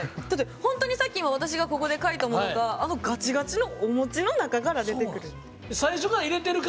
だって、本当にさっき私がここで書いたものがあのガチガチのお餅の中から出てくるって。